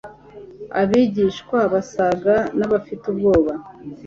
Abigishwa basaga n'abafite ubwoba;